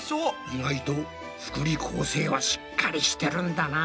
意外と福利厚生はしっかりしてるんだな。